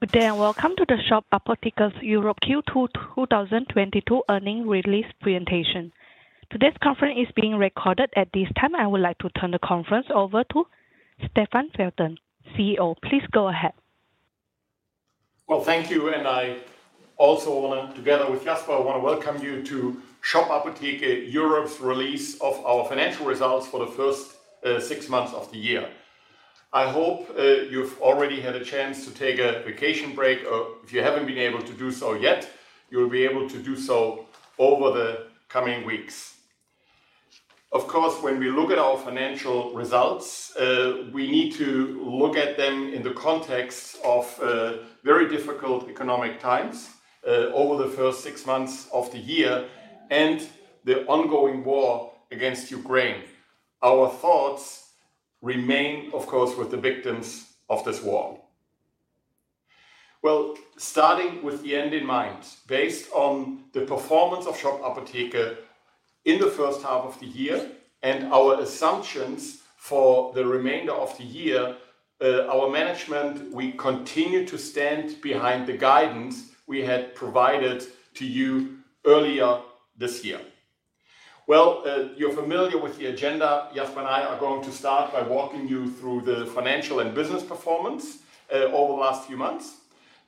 Good day, and welcome to the Shop Apotheke Europe Q2 2022 earnings release presentation. Today's conference is being recorded. At this time, I would like to turn the conference over to Stefan Feltens, CEO. Please go ahead. Well, thank you. I also wanna, together with Jasper, wanna welcome you to Shop Apotheke Europe's release of our financial results for the first six months of the year. I hope you've already had a chance to take a vacation break. Or if you haven't been able to do so yet, you'll be able to do so over the coming weeks. Of course, when we look at our financial results, we need to look at them in the context of very difficult economic times over the first six months of the year and the ongoing war in Ukraine. Our thoughts remain, of course, with the victims of this war. Well, starting with the end in mind, based on the performance of Shop Apotheke in the first half of the year and our assumptions for the remainder of the year, our management, we continue to stand behind the guidance we had provided to you earlier this year. Well, you're familiar with the agenda. Jasper and I are going to start by walking you through the financial and business performance over the last few months.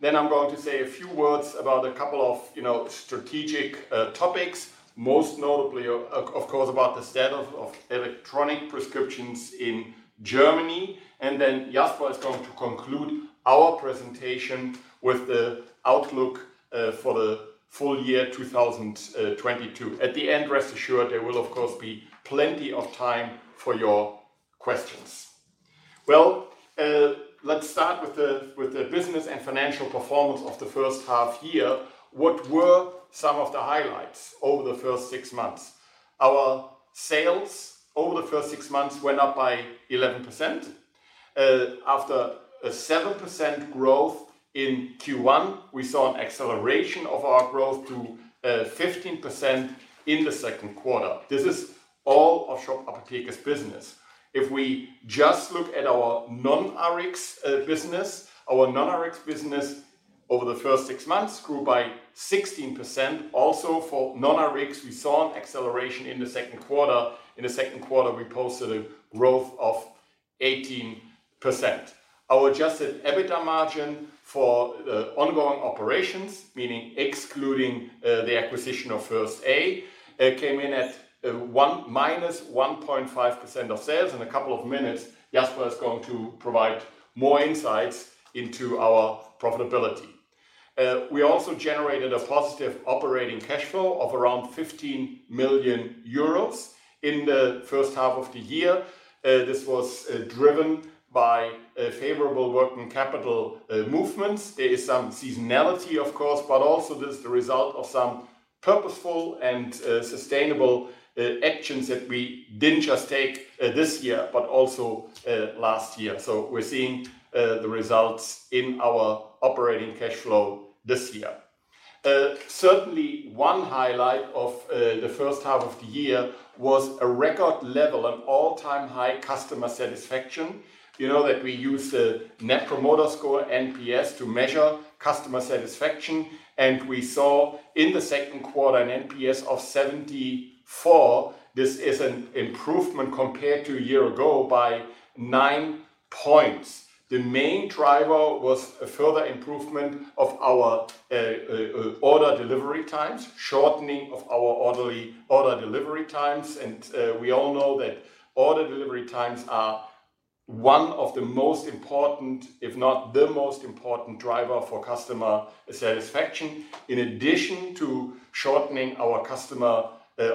Then I'm going to say a few words about a couple of, you know, strategic topics, most notably, of course, about the state of electronic prescriptions in Germany. Then Jasper is going to conclude our presentation with the outlook for the full year 2022. At the end, rest assured, there will of course be plenty of time for your questions. Let's start with the business and financial performance of the first half year. What were some of the highlights over the first six months? Our sales over the first six months went up by 11%. After a 7% growth in Q1, we saw an acceleration of our growth to 15% in the second quarter. This is all of Shop Apotheke's business. If we just look at our non-RX business, our non-RX business over the first six months grew by 16%. Also, for non-RX, we saw an acceleration in the second quarter. In the second quarter, we posted a growth of 18%. Our adjusted EBITDA margin for ongoing operations, meaning excluding the acquisition of First A, came in at -1.5% of sales. In a couple of minutes, Jasper is going to provide more insights into our profitability. We also generated a positive operating cash flow of around 15 million euros in the first half of the year. This was driven by favorable working capital movements. There is some seasonality, of course, but also this is the result of some purposeful and sustainable actions that we didn't just take this year but also last year. We're seeing the results in our operating cash flow this year. Certainly one highlight of the first half of the year was a record level and all-time high customer satisfaction. You know that we use the Net Promoter Score, NPS, to measure customer satisfaction, and we saw in the second quarter an NPS of 74. This is an improvement compared to a year ago by nine points. The main driver was a further improvement of our order delivery times, shortening of our order delivery times. We all know that order delivery times are one of the most important, if not the most important driver for customer satisfaction. In addition to shortening our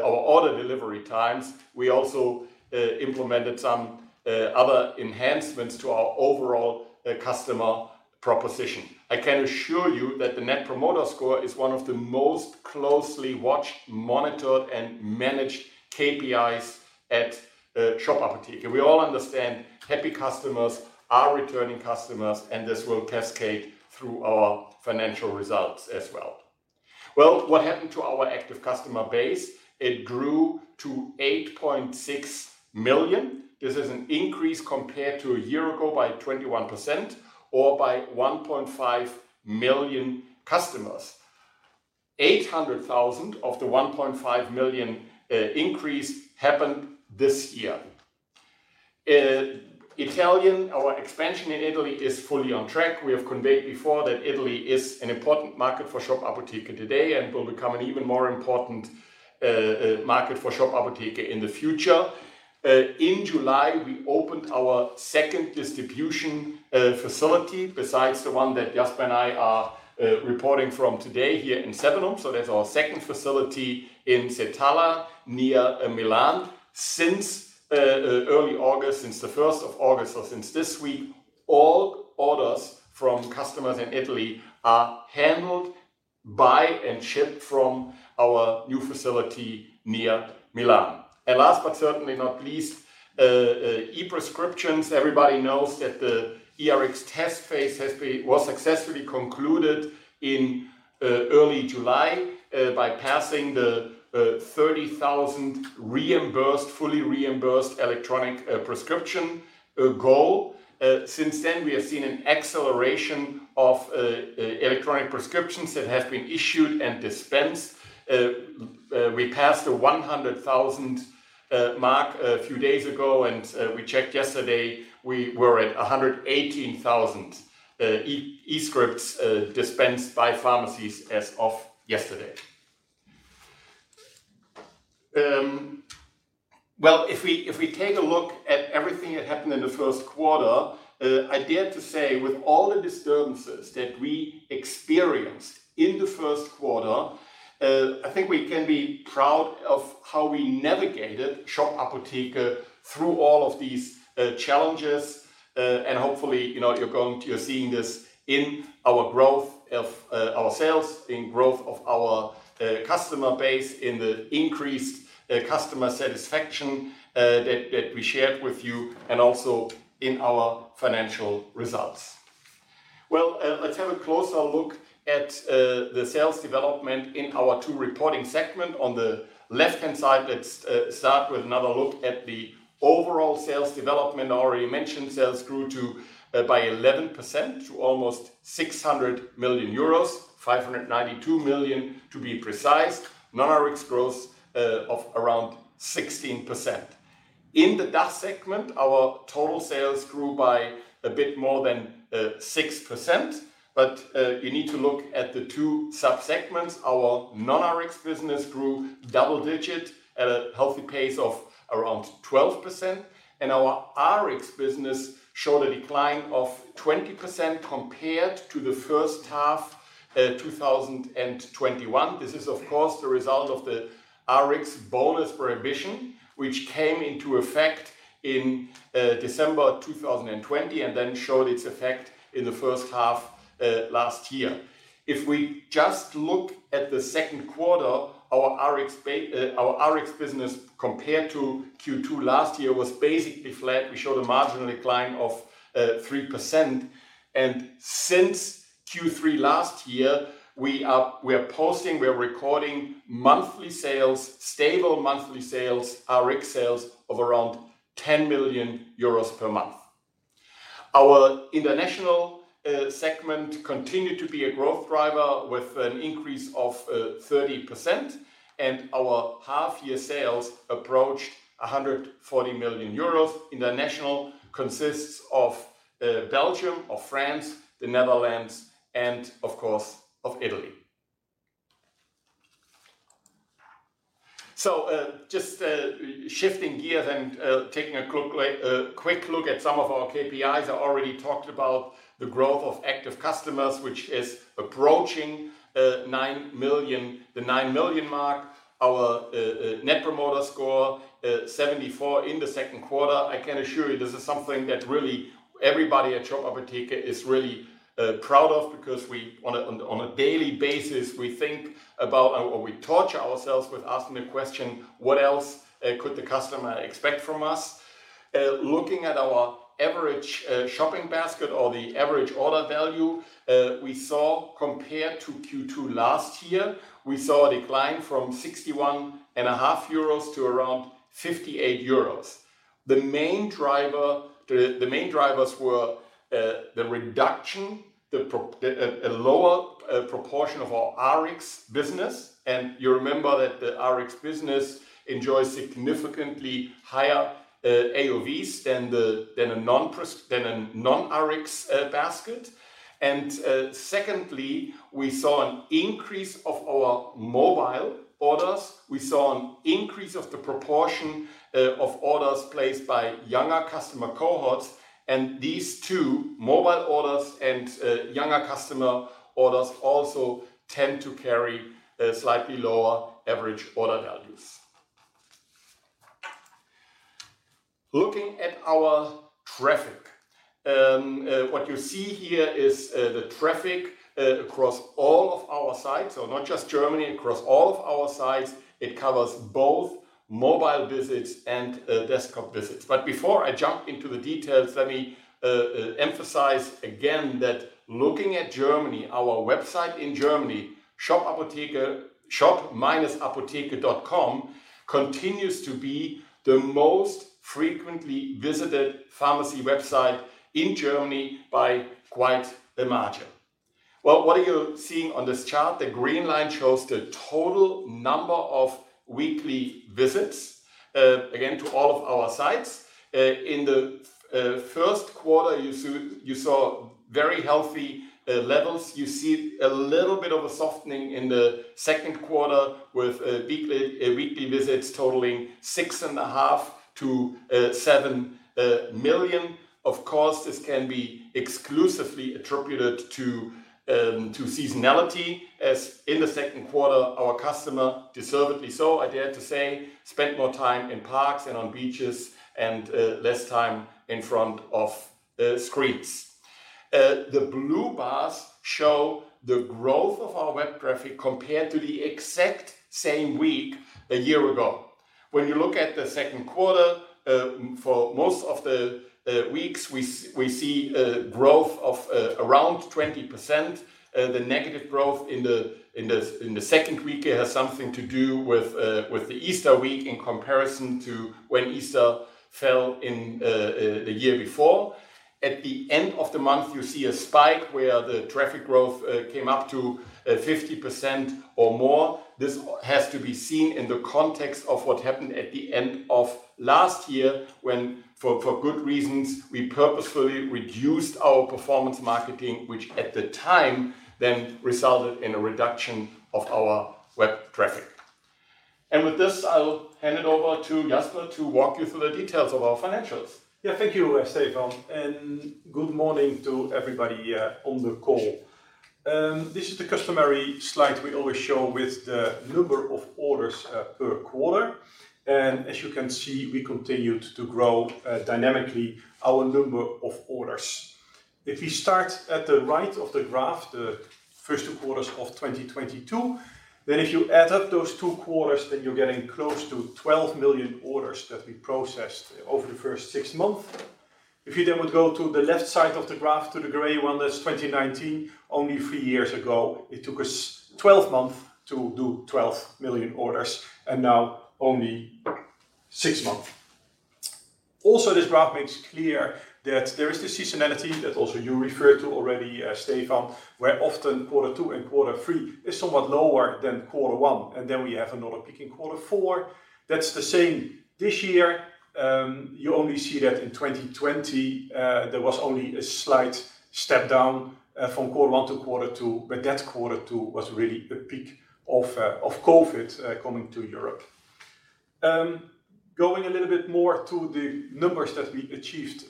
order delivery times, we also implemented some other enhancements to our overall customer proposition. I can assure you that the Net Promoter Score is one of the most closely watched, monitored, and managed KPIs at Shop Apotheke. We all understand happy customers are returning customers, and this will cascade through our financial results as well. Well, what happened to our active customer base? It grew to 8.6 million. This is an increase compared to a year ago by 21% or by 1.5 million customers. 800,000 of the 1.5 million increase happened this year. Our expansion in Italy is fully on track. We have conveyed before that Italy is an important market for Shop Apotheke today and will become an even more important market for Shop Apotheke in the future. In July, we opened our second distribution facility besides the one that Jasper and I are reporting from today here in Sevenum. That's our second facility in Settala near Milan. Since early August, since the first of August or since this week, all orders from customers in Italy are handled by and shipped from our new facility near Milan. Last but certainly not least, e-prescriptions. Everybody knows that the eRx test phase was successfully concluded in early July by passing the 30,000 fully reimbursed electronic prescription goal. Since then, we have seen an acceleration of electronic prescriptions that have been issued and dispensed. We passed the 100,000 mark a few days ago, and we checked yesterday, we were at 118,000 e-scripts dispensed by pharmacies as of yesterday. Well, if we take a look at everything that happened in the first quarter, I dare to say with all the disturbances that we experienced in the first quarter, I think we can be proud of how we navigated Shop Apotheke through all of these challenges. Hopefully, you know, you're seeing this in our growth of our sales, in growth of our customer base, in the increased customer satisfaction that we shared with you, and also in our financial results. Well, let's have a closer look at the sales development in our two reporting segment. On the left-hand side, let's start with another look at the overall sales development. I already mentioned sales grew by 11% to almost 600 million euros, 592 million to be precise. non-Rx growth of around 16%. In the DACH segment, our total sales grew by a bit more than 6%. You need to look at the two sub-segments. Our non-Rx business grew double-digit at a healthy pace of around 12%, and our Rx business showed a decline of 20% compared to the first half of 2021. This is of course the result of the Rx bonus prohibition, which came into effect in December 2020, and then showed its effect in the first half last year. If we just look at the second quarter, our Rx business compared to Q2 last year was basically flat. We showed a marginal decline of 3%. Since Q3 last year, we are recording monthly sales, stable monthly sales, Rx sales of around 10 million euros per month. Our international segment continued to be a growth driver with an increase of 30%, and our half year sales approached 140 million euros. International consists of Belgium or France, the Netherlands, and of course, of Italy. Just shifting gears and taking a quick look at some of our KPIs. I already talked about the growth of active customers, which is approaching 9 million, the 9 million mark. Our net promoter score 74 in the second quarter. I can assure you this is something that really everybody at Shop Apotheke is really proud of because we on a daily basis we think about or we torture ourselves with asking the question, what else could the customer expect from us? Looking at our average shopping basket or the average order value, we saw compared to Q2 last year, we saw a decline from 61.5 euros to around 58 euros. The main drivers were the reduction, a lower proportion of our RX business, and you remember that the RX business enjoys significantly higher AOV than a non-RX basket. Secondly, we saw an increase of our mobile orders. We saw an increase of the proportion of orders placed by younger customer cohorts, and these two, mobile orders and younger customer orders, also tend to carry slightly lower average order values. Looking at our traffic, what you see here is the traffic across all of our sites. Not just Germany, across all of our sites. It covers both mobile visits and desktop visits. Before I jump into the details, let me emphasize again that looking at Germany, our website in Germany, Shop Apotheke, shop-apotheke.com continues to be the most frequently visited pharmacy website in Germany by quite a margin. Well, what are you seeing on this chart? The green line shows the total number of weekly visits, again, to all of our sites. In the first quarter, you saw very healthy levels. You see a little bit of a softening in the second quarter with weekly visits totaling 6.5 million-7 million. Of course, this can be exclusively attributed to seasonality, as in the second quarter our customer, deservedly so I dare to say, spent more time in parks and on beaches and less time in front of screens. The blue bars show the growth of our web traffic compared to the exact same week a year ago. When you look at the second quarter, for most of the weeks, we see a growth of around 20%. The negative growth in the second week, it has something to do with the Easter week in comparison to when Easter fell in the year before. At the end of the month, you see a spike where the traffic growth came up to 50% or more. This has to be seen in the context of what happened at the end of last year when, for good reasons, we purposefully reduced our performance marketing, which at the time then resulted in a reduction of our web traffic. With this, I'll hand it over to Jasper to walk you through the details of our financials. Yeah. Thank you, Stefan, and good morning to everybody on the call. This is the customary slide we always show with the number of orders per quarter. As you can see, we continued to grow dynamically our number of orders. If you start at the right of the graph, the first two quarters of 2022, then if you add up those two quarters, then you're getting close to 12 million orders that we processed over the first six months. If you then would go to the left side of the graph, to the gray one, that's 2019, only three years ago, it took us 12 months to do 12 million orders, and now only six months. This graph makes clear that there is the seasonality that also you referred to already, Stefan, where often quarter two and quarter three is somewhat lower than quarter one, and then we have another peak in quarter four. That's the same this year. You only see that in 2020, there was only a slight step down from quarter one to quarter two, but that quarter two was really a peak of COVID coming to Europe. Going a little bit more to the numbers that we achieved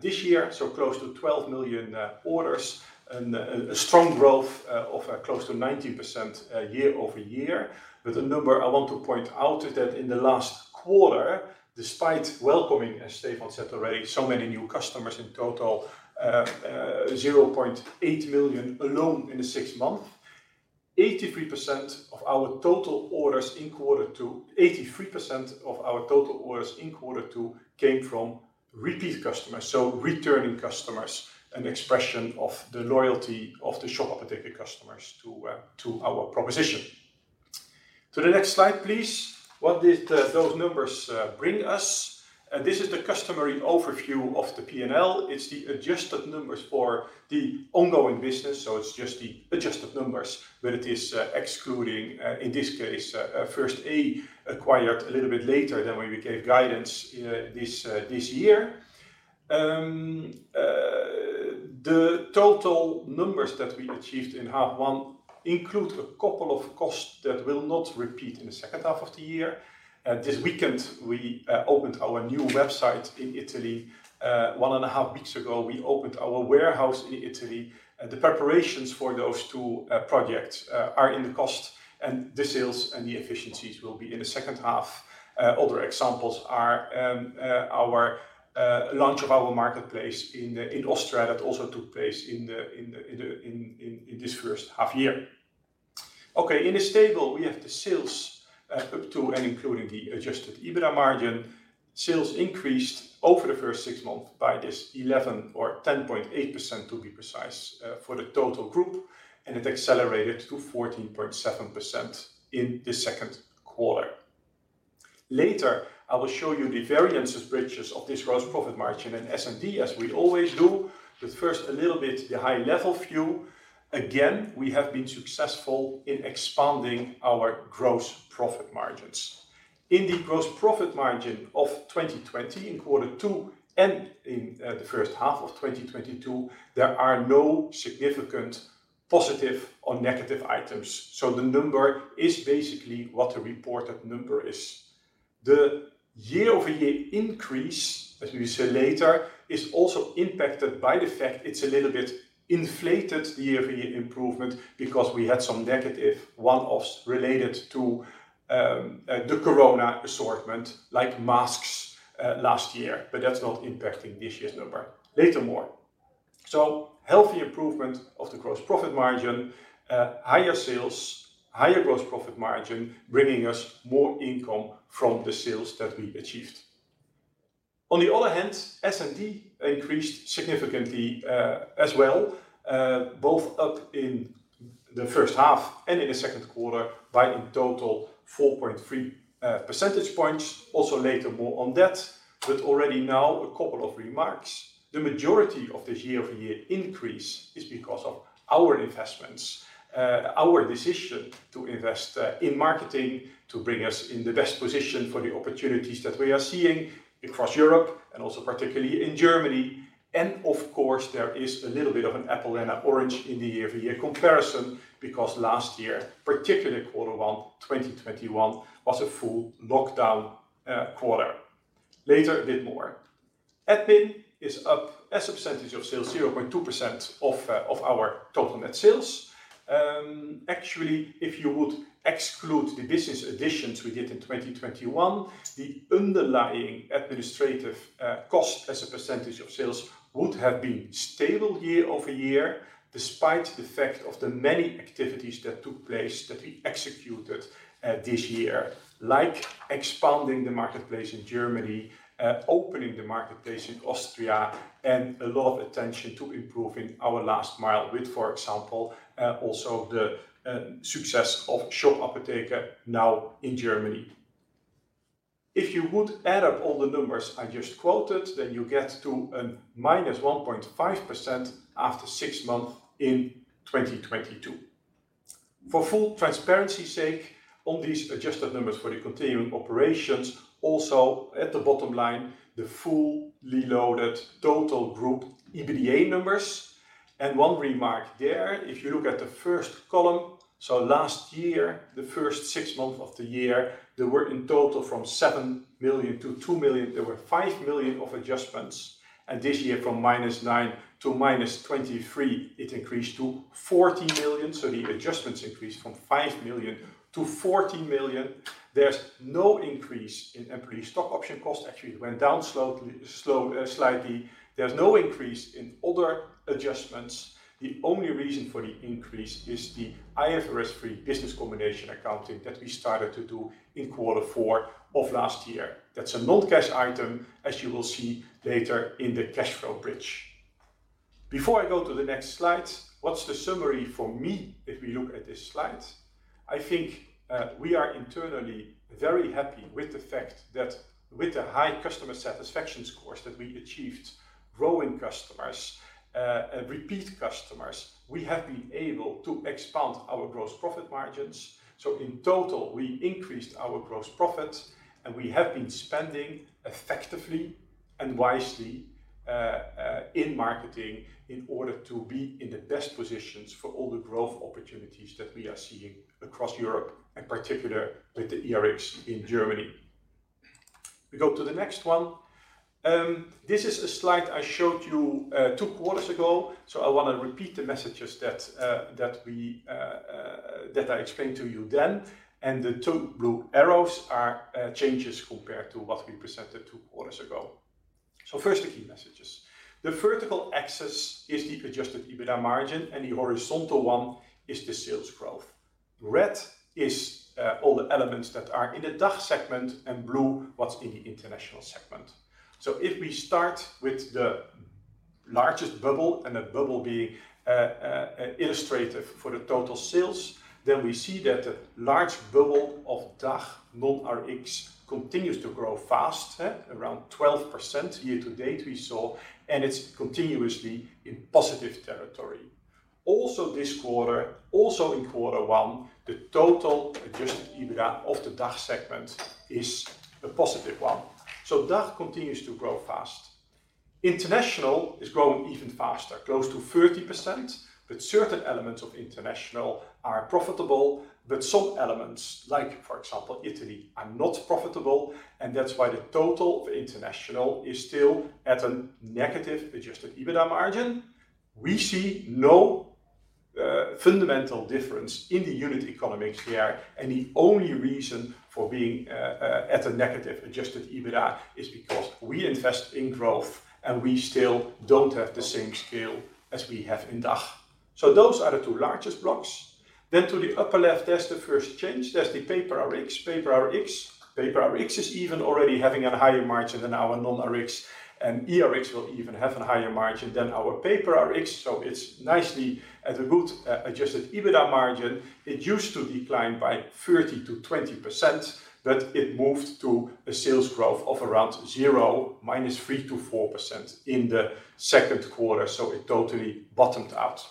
this year, so close to 12 million orders and a strong growth of close to 90% year-over-year. The number I want to point out is that in the last quarter, despite welcoming, as Stefan said already, so many new customers, in total, 0.8 million alone in the six months, 83% of our total orders in quarter two came from repeat customers, so returning customers, an expression of the loyalty of the Shop Apotheke customers to our proposition. To the next slide, please. What did those numbers bring us? This is the customary overview of the P&L. It's the adjusted numbers for the ongoing business, so it's just the adjusted numbers, but it is excluding, in this case, First A, acquired a little bit later than when we gave guidance, this year. The total numbers that we achieved in H1 include a couple of costs that will not repeat in the second half of the year. This weekend, we opened our new website in Italy. 1.5 weeks ago, we opened our warehouse in Italy. The preparations for those two projects are in the costs, and the sales and the efficiencies will be in the second half. Other examples are our launch of our marketplace in Austria. That also took place in this first half year. In this table, we have the sales up to and including the adjusted EBITDA margin. Sales increased over the first six months by 11%. 10.8% to be precise, for the total group, and it accelerated to 14.7% in the second quarter. Later, I will show you the variance bridges of this gross profit margin and S&D, as we always do. First, a little bit the high-level view. Again, we have been successful in expanding our gross profit margins. In the gross profit margin of 2020, in quarter two and in the first half of 2022, there are no significant positive or negative items, so the number is basically what the reported number is. The year-over-year increase, as we see later, is also impacted by the fact it's a little bit inflated year-over-year improvement because we had some negative one-offs related to the COVID assortment, like masks, last year, but that's not impacting this year's number. Later, more. Healthy improvement of the gross profit margin, higher sales, higher gross profit margin, bringing us more income from the sales that we achieved. On the other hand, S&D increased significantly, as well, both up in the first half and in the second quarter by in total 4.3 percentage points. Also later more on that, but already now a couple of remarks. The majority of the year-over-year increase is because of our investments, our decision to invest, in marketing to bring us in the best position for the opportunities that we are seeing across Europe and also particularly in Germany. Of course, there is a little bit of apples and oranges in the year-over-year comparison because last year, particularly quarter one, 2021, was a full lockdown quarter. Later a bit more. Admin is up as a percentage of sales, 0.2% of our total net sales. Actually, if you would exclude the business additions we did in 2021, the underlying administrative cost as a percentage of sales would have been stable year-over-year despite the fact of the many activities that took place that we executed this year, like expanding the marketplace in Germany, opening the marketplace in Austria, and a lot of attention to improving our last mile with, for example, also the success of Shop Apotheke now in Germany. If you would add up all the numbers I just quoted, then you get to a -1.5% after six months in 2022. For full transparency sake, on these adjusted numbers for the continuing operations, also at the bottom line, the fully loaded total group EBITDA numbers. One remark there, if you look at the first column, last year, the first six months of the year, there were in total from 7 million to 2 million, there were 5 million of adjustments. This year from -9 million to -23 million, it increased to 14 million. The adjustments increased from 5 million to 14 million. There's no increase in employee stock option cost. Actually, it went down slightly. There's no increase in other adjustments. The only reason for the increase is the IFRS 3 business combination accounting that we started to do in quarter four of last year. That's a non-cash item, as you will see later in the cash flow bridge. Before I go to the next slide, what's the summary for me if we look at this slide? I think, we are internally very happy with the fact that with the high customer satisfaction scores that we achieved, growing customers, repeat customers, we have been able to expand our gross profit margins. In total, we increased our gross profit and we have been spending effectively and wisely, in marketing in order to be in the best positions for all the growth opportunities that we are seeing across Europe, in particular with the eRx in Germany. We go to the next one. This is a slide I showed you, two quarters ago. I wanna repeat the messages that I explained to you then. The two blue arrows are changes compared to what we presented two quarters ago. First, the key messages. The vertical axis is the adjusted EBITDA margin, and the horizontal one is the sales growth. Red is all the elements that are in the DACH segment and blue, what's in the international segment. If we start with the largest bubble, and the bubble being illustrative for the total sales, then we see that a large bubble of DACH non-Rx continues to grow fast, around 12% year to date we saw, and it's continuously in positive territory. Also this quarter, in quarter one, the total adjusted EBITDA of the DACH segment is a positive one. DACH continues to grow fast. International is growing even faster, close to 30%, but certain elements of international are profitable. Some elements, like for example, Italy, are not profitable, and that's why the total of international is still at a negative adjusted EBITDA margin. We see no fundamental difference in the unit economics here, and the only reason for being at a negative adjusted EBITDA is because we invest in growth, and we still don't have the same scale as we have in DACH. Those are the two largest blocks. To the upper left, that's the first change. That's the paper Rx. Paper Rx is even already having a higher margin than our non-Rx, and eRx will even have a higher margin than our paper Rx. It's nicely at a good adjusted EBITDA margin. It used to decline by 30%-20%, but it moved to a sales growth of around zero, -3% to 4% in the second quarter. It totally bottomed out.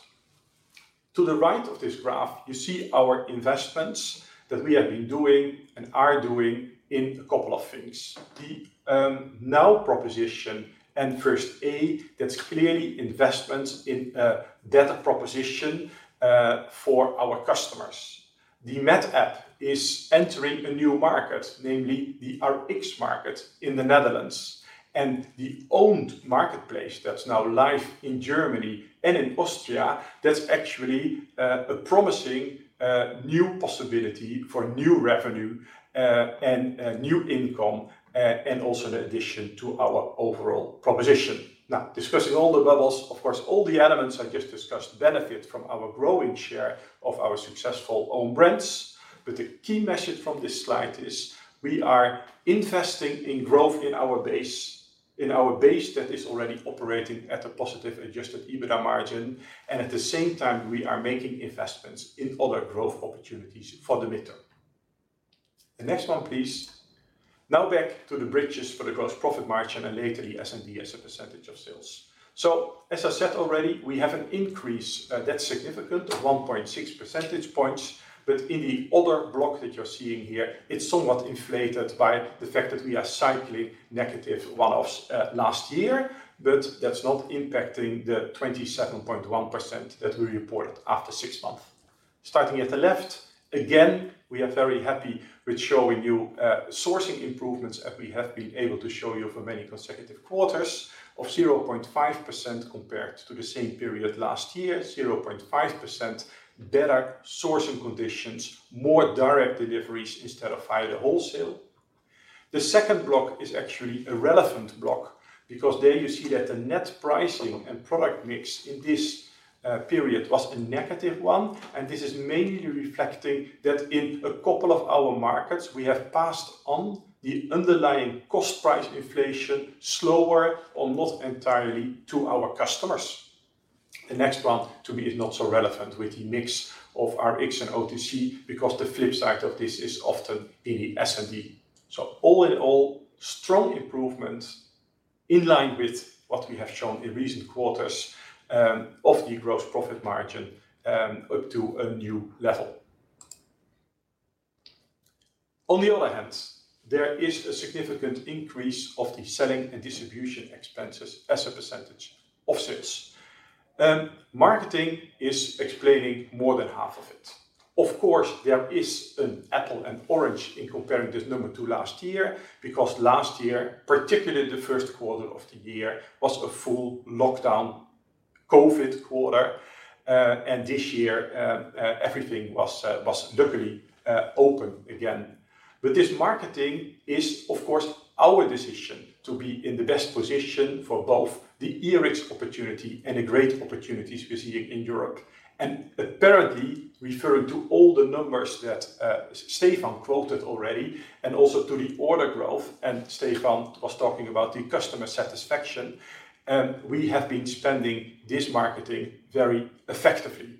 To the right of this graph, you see our investments that we have been doing and are doing in a couple of things. The Now proposition First A, that's clearly investment in a data proposition for our customers. The MedApp is entering a new market, namely the RX market in the Netherlands. The own marketplace that's now live in Germany and in Austria, that's actually a promising new possibility for new revenue and new income and also an addition to our overall proposition. Now discussing all the bubbles, of course, all the elements I just discussed benefit from our growing share of our successful own brands. The key message from this slide is we are investing in growth in our base, in our base that is already operating at a positive adjusted EBITDA margin, and at the same time, we are making investments in other growth opportunities for the midterm. The next one, please. Now back to the bridges for the gross profit margin and later the S&D as a percentage of sales. As I said already, we have an increase that's significant of 1.6 percentage points. But in the other block that you're seeing here, it's somewhat inflated by the fact that we are cycling negative one-offs, last year, but that's not impacting the 27.1% that we reported after six months. Starting at the left, again, we are very happy with showing you sourcing improvements as we have been able to show you for many consecutive quarters of 0.5% compared to the same period last year, 0.5% better sourcing conditions, more direct deliveries instead of via the wholesaler. The second block is actually a relevant block because there you see that the net pricing and product mix in this period was -1%, and this is mainly reflecting that in a couple of our markets, we have passed on the underlying cost price inflation slower or not entirely to our customers. The next one to me is not so relevant with the mix of our Rx and OTC because the flip side of this is often in the S&D. All in all, strong improvements in line with what we have shown in recent quarters, of the gross profit margin, up to a new level. On the other hand, there is a significant increase of the selling and distribution expenses as a percentage of sales. Marketing is explaining more than half of it. Of course, there is an apples and oranges in comparing this number to last year because last year, particularly the first quarter of the year, was a full lockdown COVID quarter, and this year, everything was luckily open again. This marketing is, of course, our decision to be in the best position for both the eRx opportunity and the great opportunities we see in Europe. Apparently, referring to all the numbers that Stefan quoted already, and also to the order growth, and Stefan was talking about the customer satisfaction, we have been spending this marketing very effectively.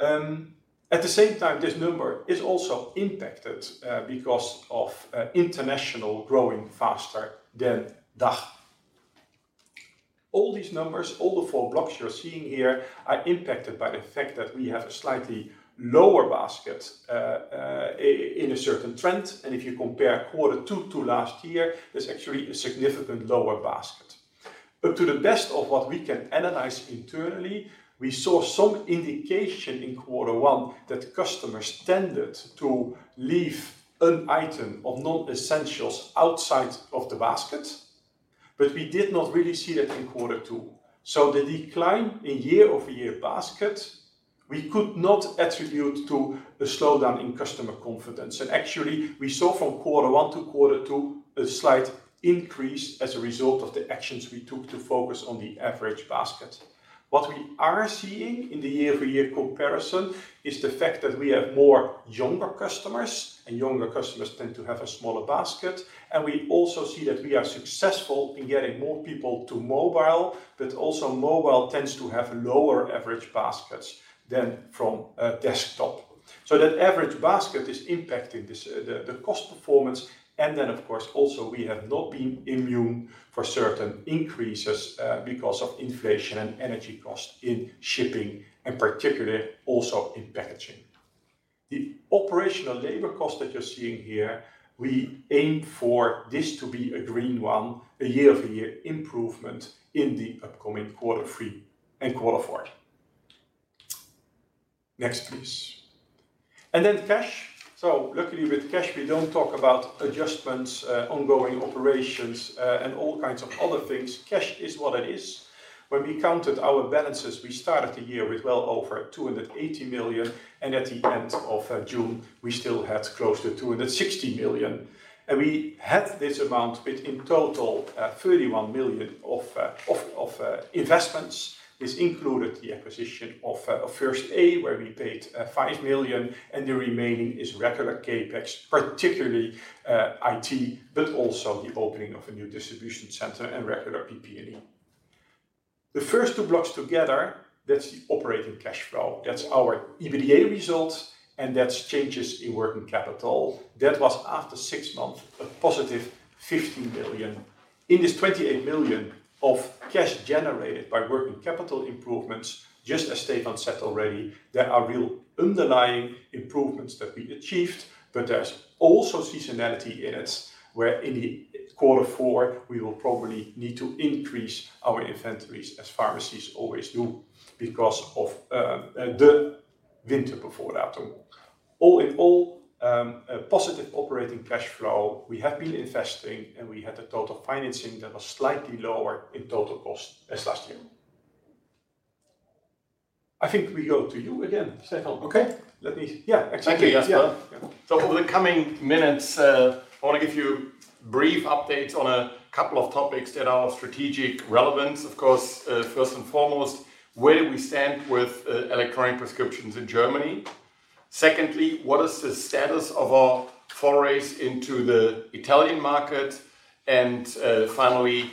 At the same time, this number is also impacted because of international growing faster than DACH. All these numbers, all the four blocks you're seeing here, are impacted by the fact that we have a slightly lower basket in a certain trend, and if you compare quarter two to last year, there's actually a significant lower basket. To the best of what we can analyze internally, we saw some indication in quarter one that customers tended to leave an item of non-essentials outside of the basket, but we did not really see that in quarter two. The decline in year-over-year basket, we could not attribute to a slowdown in customer confidence. Actually, we saw from quarter one to quarter two a slight increase as a result of the actions we took to focus on the average basket. What we are seeing in the year-over-year comparison is the fact that we have more younger customers, and younger customers tend to have a smaller basket, and we also see that we are successful in getting more people to mobile, but also mobile tends to have lower average baskets than from a desktop. That average basket is impacting this, the cost performance, and then of course also we have not been immune for certain increases, because of inflation and energy costs in shipping, and particularly also in packaging. The operational labor cost that you're seeing here, we aim for this to be a green one, a year-over-year improvement in the upcoming quarter three and quarter four. Next, please. Cash. Luckily with cash, we don't talk about adjustments, ongoing operations, and all kinds of other things. Cash is what it is. When we counted our balances, we started the year with well over 280 million, and at the end of June, we still had close to 260 million. We had this amount with in total 31 million of investments. This included the acquisition First A, where we paid five million, and the remaining is regular CapEx, particularly IT, but also the opening of a new distribution center and regular PP&E. The first two blocks together, that's the operating cash flow. That's our EBITDA results, and that's changes in working capital. That was after six months, a positive 15 million. In this 28 million of cash generated by working capital improvements, just as Stefan said already, there are real underlying improvements that we achieved, but there's also seasonality in it, where in the quarter four, we will probably need to increase our inventories as pharmacies always do because of the winter before autumn. All in all, positive operating cash flow, we have been investing, and we had a total financing that was slightly lower in total cost than last year. I think we go to you again, Stefan. Okay. Yeah, actually. Thank you, Jasper. Yeah. Over the coming minutes, I want to give you brief updates on a couple of topics that are of strategic relevance. Of course, First And foremost, where do we stand with electronic prescriptions in Germany? Secondly, what is the status of our forays into the Italian market? Finally,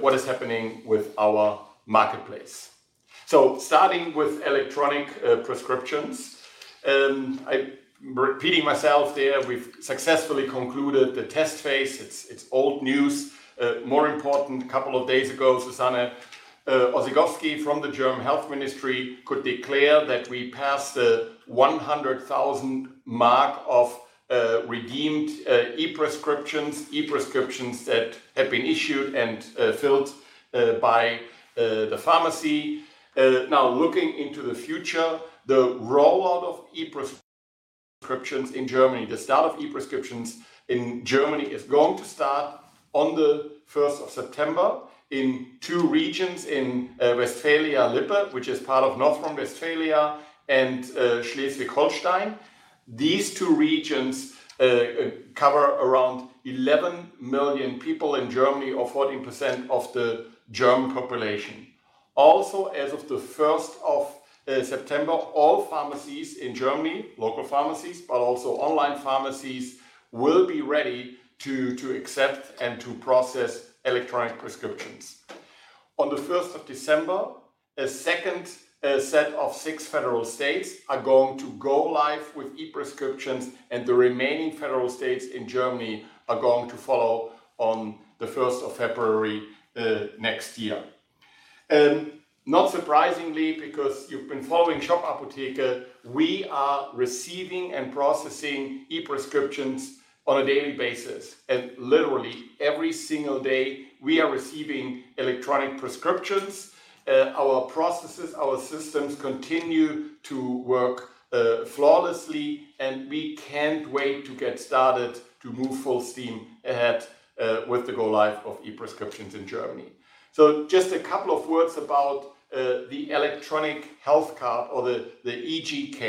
what is happening with our marketplace? Starting with electronic prescriptions, I'm repeating myself there. We've successfully concluded the test phase. It's old news. More important, a couple of days ago, Susanne Ozegowski from the German Federal Ministry of Health could declare that we passed the 100,000 mark of redeemed e-prescriptions that have been issued and filled by the pharmacy. Now looking into the future, the rollout of e-prescriptions in Germany, the start of e-prescriptions in Germany is going to start on the first of September in two regions in Westfalen-Lippe, which is part of North Rhine-Westphalia, and Schleswig-Holstein. These two regions cover around 11 million people in Germany, or 14% of the German population. Also, as of the first of September, all pharmacies in Germany, local pharmacies, but also online pharmacies, will be ready to accept and process electronic prescriptions. On the first of December, a second set of six federal states are going to go live with e-prescriptions and the remaining federal states in Germany are going to follow on the first of February next year. Not surprisingly, because you've been following Shop Apotheke, we are receiving and processing e-prescriptions on a daily basis. Literally every single day we are receiving electronic prescriptions. Our processes, our systems continue to work flawlessly, and we can't wait to get started to move full steam ahead with the go live of e-prescriptions in Germany. Just a couple of words about the electronic health card or the eGK.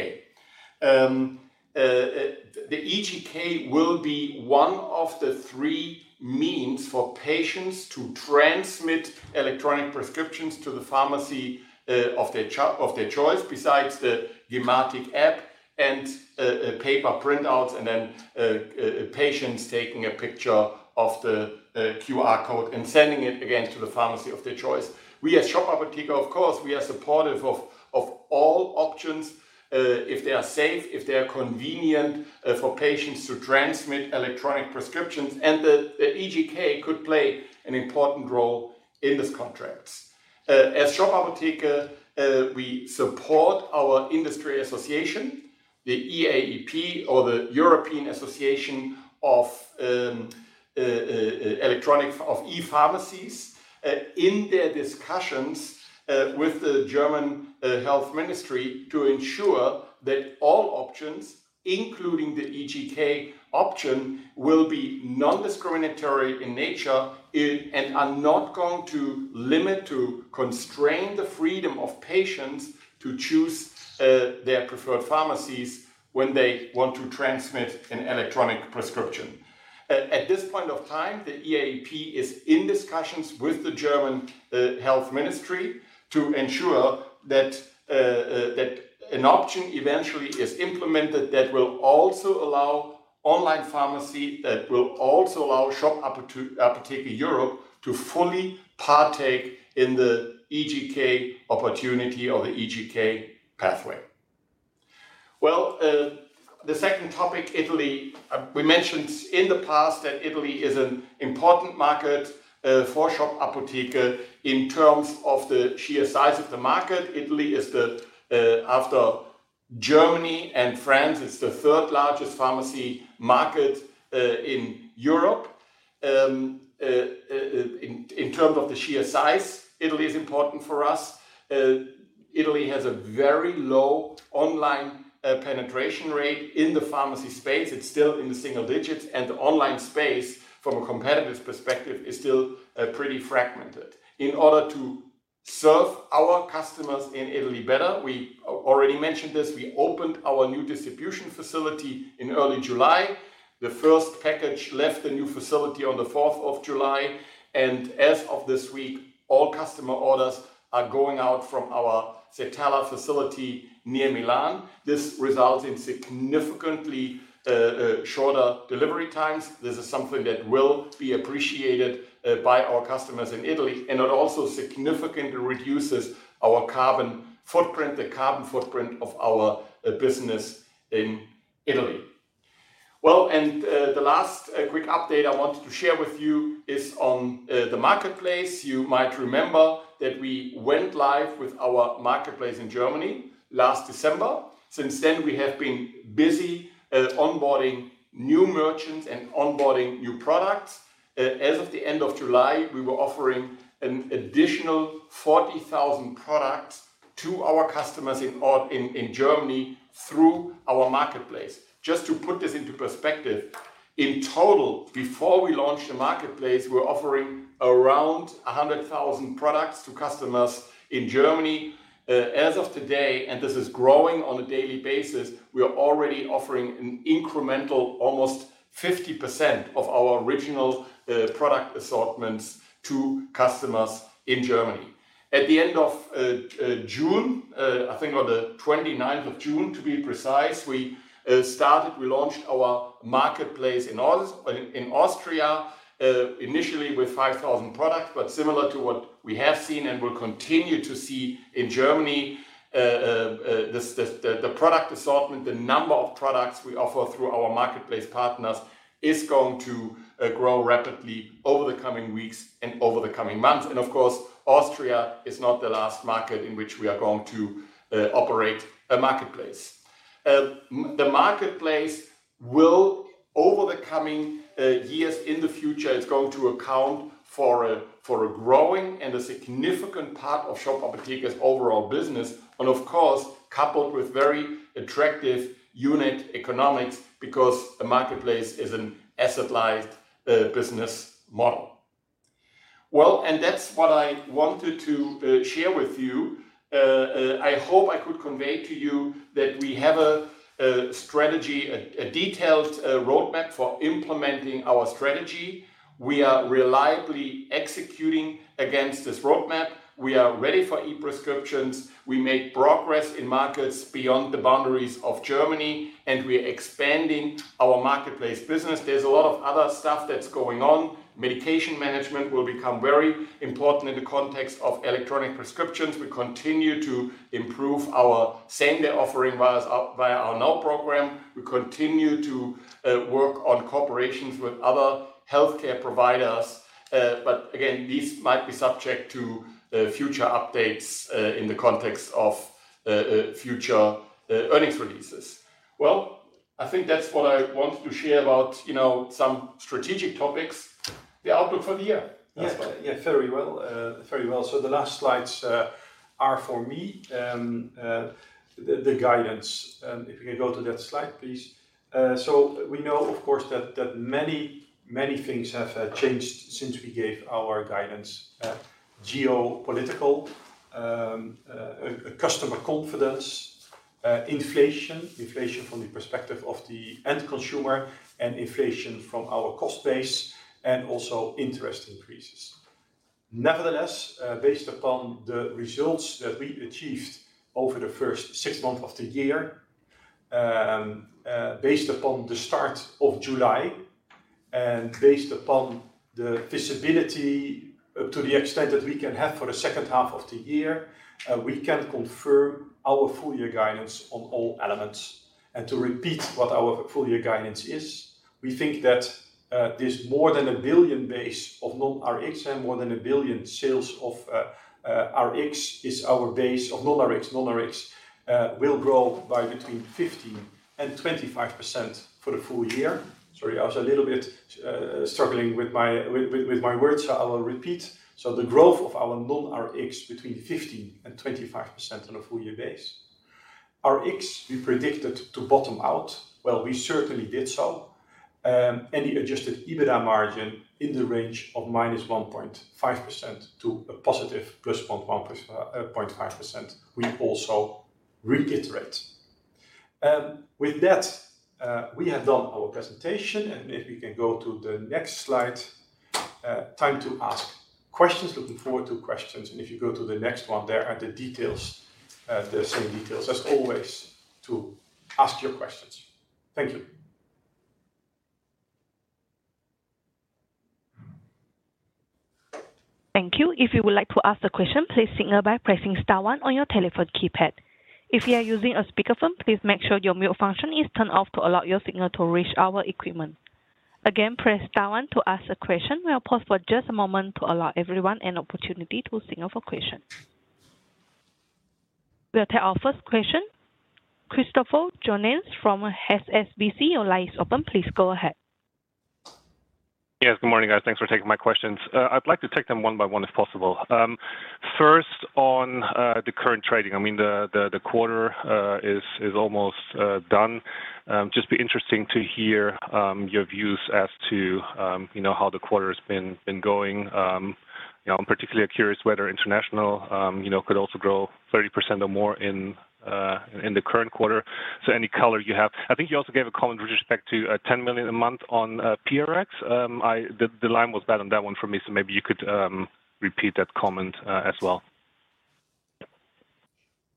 The eGK will be one of the three means for patients to transmit electronic prescriptions to the pharmacy of their choice, besides the gematik app and paper printouts, and then patients taking a picture of the QR code and sending it again to the pharmacy of their choice. We at Shop Apotheke, of course, we are supportive of all options if they are safe, if they are convenient for patients to transmit electronic prescriptions, and the eGK could play an important role in this context. As Shop Apotheke, we support our industry association, the EAEP or the European Association of E-Pharmacies, in their discussions with the German Federal Ministry of Health to ensure that all options, including the eGK option, will be non-discriminatory in nature and are not going to constrain the freedom of patients to choose their preferred pharmacies when they want to transmit an electronic prescription. At this point of time, the EAEP is in discussions with the German Health Ministry to ensure that an option eventually is implemented that will also allow online pharmacy to fully partake in the eGK opportunity or the eGK pathway. Well, the second topic, Italy. We mentioned in the past that Italy is an important market for Shop Apotheke in terms of the sheer size of the market. Italy is the, after Germany and France, it's the third largest pharmacy market in Europe. In terms of the sheer size, Italy is important for us. Italy has a very low online penetration rate in the pharmacy space. It's still in the single digits, and the online space from a competitive perspective is still pretty fragmented. In order to serve our customers in Italy better, we already mentioned this, we opened our new distribution facility in early July. The first package left the new facility on the fourth of July, and as of this week, all customer orders are going out from our Settala facility near Milan. This results in significantly shorter delivery times. This is something that will be appreciated by our customers in Italy, and it also significantly reduces our carbon footprint, the carbon footprint of our business in Italy. Well, the last quick update I wanted to share with you is on the marketplace. You might remember that we went live with our marketplace in Germany last December. Since then, we have been busy onboarding new merchants and onboarding new products. As of the end of July, we were offering an additional 40,000 products to our customers in Germany through our marketplace. Just to put this into perspective, in total, before we launched the marketplace, we were offering around 100,000 products to customers in Germany. As of today, and this is growing on a daily basis, we are already offering an incremental almost 50% of our original product assortments to customers in Germany. At the end of June, I think on the 29th of June, to be precise, we launched our marketplace in Austria, initially with 5,000 products, but similar to what we have seen and will continue to see in Germany, the product assortment, the number of products we offer through our marketplace partners is going to grow rapidly over the coming weeks and over the coming months. Of course, Austria is not the last market in which we are going to operate a marketplace. The marketplace will, over the coming years in the future, account for a growing and significant part of Shop Apotheke's overall business and of course, coupled with very attractive unit economics because a marketplace is an asset-light business model. Well, that's what I wanted to share with you. I hope I could convey to you that we have a strategy, a detailed roadmap for implementing our strategy. We are reliably executing against this roadmap. We are ready for e-prescriptions. We make progress in markets beyond the boundaries of Germany, and we're expanding our marketplace business. There's a lot of other stuff that's going on. Medication management will become very important in the context of electronic prescriptions. We continue to improve our same-day offering via our Now program. We continue to work on cooperations with other healthcare providers. Again, these might be subject to future updates in the context of future earnings releases. Well, I think that's what I wanted to share about, you know, some strategic topics. The outlook for the year, Jasper Eenhorst. Very well. The last slides are for me. The guidance. If you can go to that slide, please. We know, of course, that many things have changed since we gave our guidance. Geopolitical, customer confidence, inflation. Inflation from the perspective of the end consumer and inflation from our cost base, and also interest increases. Nevertheless, based upon the results that we achieved over the first six months of the year, based upon the start of July and based upon the visibility up to the extent that we can have for the second half of the year, we can confirm our full year guidance on all elements. To repeat what our full year guidance is, we think that this more than a billion base of non-Rx and more than a billion sales of Rx is our base of non-Rx. Non-Rx will grow by between 15% and 25% for the full year. Sorry, I was a little bit struggling with my words. I will repeat. The growth of our non-Rx between 15% and 25% on a full year base. Rx we predicted to bottom out. Well, we certainly did so. The adjusted EBITDA margin in the range of -1.5% to a positive +0.5%, we also reiterate. With that, we have done our presentation and if you can go to the next slide. Time to ask questions. Looking forward to questions. If you go to the next one, there are the details. The same details as always to ask your questions. Thank you. Thank you. If you would like to ask a question, please signal by pressing star one on your telephone keypad. If you are using a speakerphone, please make sure your mute function is turned off to allow your signal to reach our equipment. Again, press star one to ask a question. We'll pause for just a moment to allow everyone an opportunity to signal for questions. We'll take our first question. Christopher Jones from HSBC. Your line is open. Please go ahead. Yes. Good morning, guys. Thanks for taking my questions. I'd like to take them one by one if possible. First on the current trading. I mean, the quarter is almost done. Just be interesting to hear your views as to you know, how the quarter has been going. You know, I'm particularly curious whether international you know, could also grow 30% or more in the current quarter. Any color you have. I think you also gave a comment with respect to 10 million a month on Rx. The line was bad on that one for me, so maybe you could repeat that comment as well.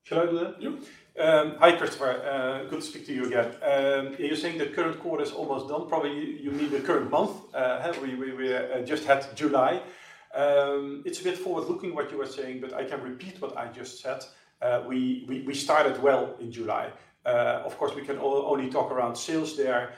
Should I do that? Yeah. Hi, Christopher. Good to speak to you again. You're saying the current quarter is almost done. Probably you mean the current month? We just had July. It's a bit forward-looking what you were saying, but I can repeat what I just said. We started well in July. Of course, we can only talk around sales there.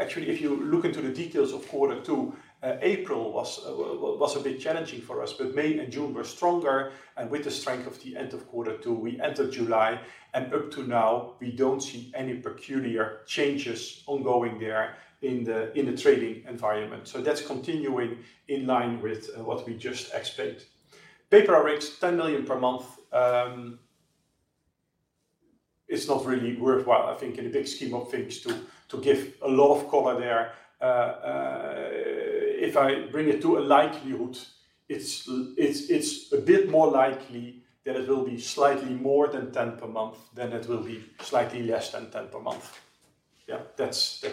Actually, if you look into the details of quarter two, April was a bit challenging for us, but May and June were stronger. With the strength of the end of quarter two, we entered July, and up to now, we don't see any peculiar changes ongoing there in the trading environment. That's continuing in line with what we just explained. Pay for Rx, 10 million per month. It's not really worthwhile, I think, in the big scheme of things to give a lot of color there. If I bring it to a likelihood, it's a bit more likely that it will be slightly more than 10 per month than it will be slightly less than 10 per month. Yeah. That's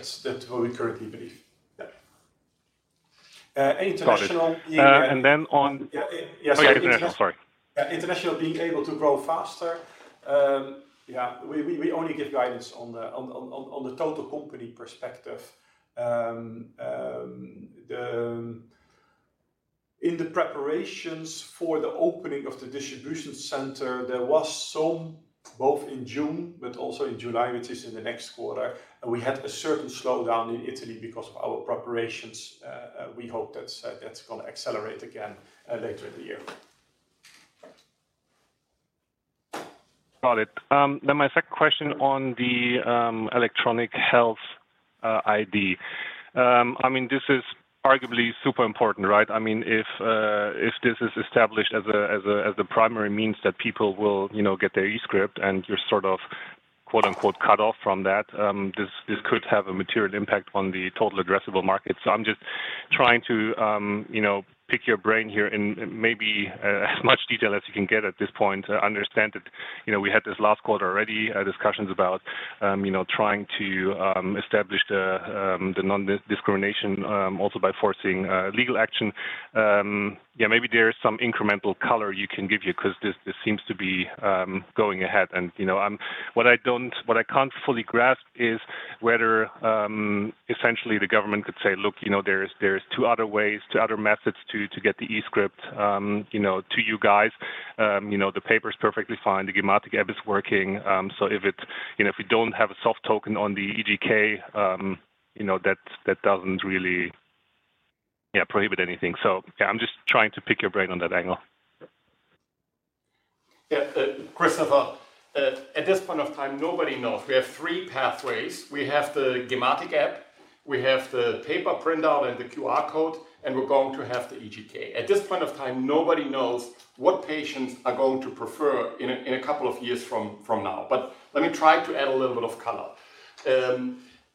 what we currently believe. Yeah. International- Got it. Yeah. Oh, yeah, international. Sorry. International being able to grow faster. Yeah, we only give guidance on the total company perspective. In the preparations for the opening of the distribution center, there was some both in June but also in July, which is in the next quarter. We had a certain slowdown in Italy because of our preparations. We hope that's gonna accelerate again later in the year. Got it. My second question on the electronic health ID. I mean, this is arguably super important, right? I mean, if this is established as the primary means that people will, you know, get their eScript and you're sort of quote unquote cut off from that, this could have a material impact on the total addressable market. I'm just trying to, you know, pick your brain here in maybe as much detail as you can get at this point. I understand that, you know, we had this last quarter already discussions about, you know, trying to establish the non-discrimination also by forcing legal action. Yeah, maybe there is some incremental color you can give here because this seems to be going ahead and, you know, what I can't fully grasp is whether essentially the government could say, "Look, you know, there's two other ways, two other methods to get the eScript, you know, to you guys. You know, the paper's perfectly fine. The Das E-Rezept is working. So if we don't have a soft token on the eGK, you know, that doesn't really, yeah, prohibit anything." So, yeah, I'm just trying to pick your brain on that angle. Yeah, Christopher, at this point of time, nobody knows. We have three pathways. We have the Das E-Rezept, we have the paper printout and the QR code, and we're going to have the eGK. At this point of time, nobody knows what patients are going to prefer in a couple of years from now. Let me try to add a little bit of color.